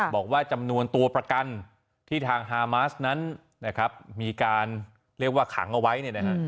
บอกว่าจำนวนตัวประกันที่ทางฮามาสนั้นนะครับมีการเรียกว่าขังเอาไว้เนี่ยนะฮะ